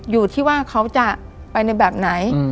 อยู่ที่ว่าเขาจะไปในแบบไหน